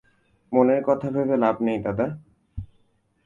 মানের কথা ভেবে লাভ নেই দাদা।